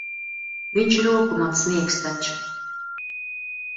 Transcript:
Viņš roku man sniegs taču.